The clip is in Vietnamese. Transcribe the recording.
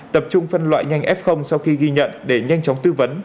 tập trung phân loại nhanh f sau khi ghi nhận để nhanh chóng tư vấn